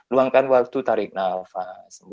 luangkan waktu tarik nafas